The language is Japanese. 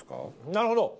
なるほど！